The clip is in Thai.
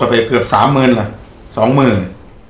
ออกไปเกือบสามเมืองละสองเมือง